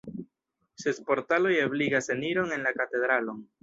Ses portaloj ebligas eniron en la katedralon.